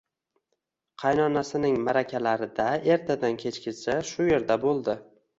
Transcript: Qaynonasining ma`rakalarida ertadan-kechgacha shu erda bo`ldi